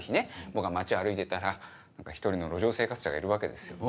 僕が街を歩いてたら１人の路上生活者がいるわけですよ。